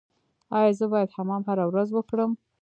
ایا زه باید حمام هره ورځ وکړم؟